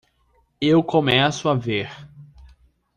Eu começo a ver.